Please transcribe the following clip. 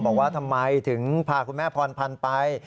บอกว่าทำไมถึงพาคุณแม่พรพันธ์ไป